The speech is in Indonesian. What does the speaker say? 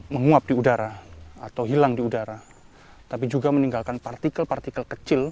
menguap di udara atau hilang di udara tapi juga meninggalkan partikel partikel kecil